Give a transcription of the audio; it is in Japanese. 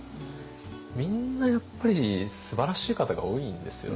みんなやっぱりすばらしい方が多いんですよね。